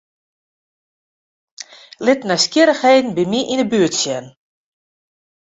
Lit nijsgjirrichheden by my yn 'e buert sjen.